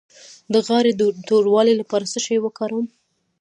د غاړې د توروالي لپاره څه شی وکاروم؟